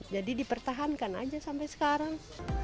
jadi dipertahankan aja sampai sekarang